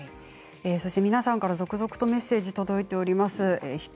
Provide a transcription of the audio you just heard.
皆さんから続々とメッセージが届いています。